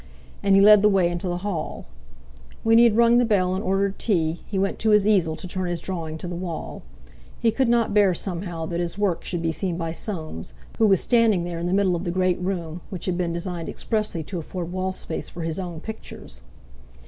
And he led the way into the hall. When he had rung the bell and ordered tea, he went to his easel to turn his drawing to the wall. He could not bear, somehow, that his work should be seen by Soames, who was standing there in the middle of the great room which had been designed expressly to afford wall space for his own pictures.